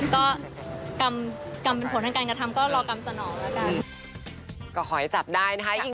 ก็กรรมเป็นผลทางการกระทำก็รอกรรมสนองแล้วกัน